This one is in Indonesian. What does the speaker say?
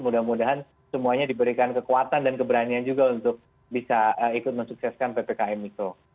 mudah mudahan semuanya diberikan kekuatan dan keberanian juga untuk bisa ikut mensukseskan ppkm mikro